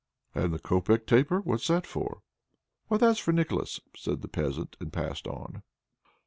"And the copeck taper, what's that for?" "Why, that's for Nicholas!" said the peasant and passed on.